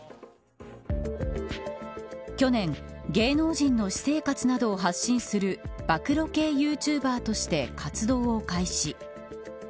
去年、芸能人の私生活などを発信する暴露系ユーチューバーとして活動を開始。